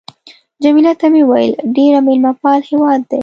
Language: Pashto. جميله ته مې وویل: ډېر مېلمه پال هېواد دی.